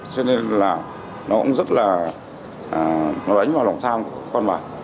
cho nên là nó cũng rất là đánh vào lòng tham của con bạc